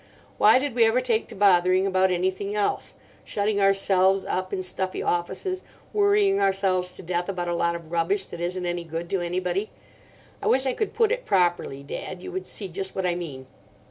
Why did we ever take to bothering about anything else—shutting ourselves up in stuffy offices, worrying ourselves to death about a lot of rubbish that isn't any good to anybody? I wish I could put it properly, Dad; you would see just what I mean.